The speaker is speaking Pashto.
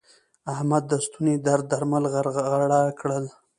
احمد د ستوني درد درمل غرغړه کړل.